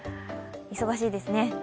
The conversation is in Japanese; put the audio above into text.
忙しいですね。